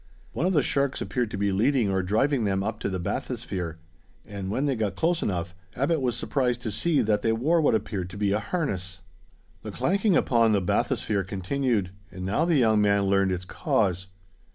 One of the sharks appeared to be leading or driving them up to the bathysphere; and when they got close enough, Abbot was surprised to see that they wore what appeared to be a harness! The clanking upon the bathysphere continued, and now the young man learned its cause.